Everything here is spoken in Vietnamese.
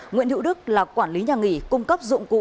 nguyễn hữu đức là quản lý nhà nghỉ cung cấp dụng cụ